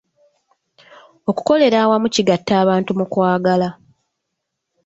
Okukolera awamu kigatta abantu mu kwagala.